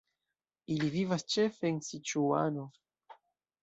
Ili vivas ĉefe en Siĉuano.